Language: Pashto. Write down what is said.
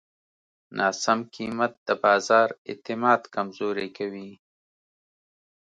ناسم قیمت د بازار اعتماد کمزوری کوي.